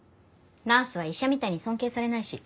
ナースは医者みたいに尊敬されないし。